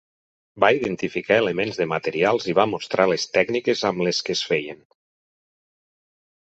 Va identificar elements de materials i va mostrar les tècniques amb les que es feien.